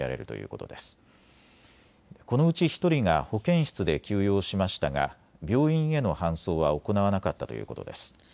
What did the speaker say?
このうち１人が保健室で休養しましたが病院への搬送は行わなかったということです。